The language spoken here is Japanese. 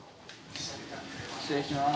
失礼します。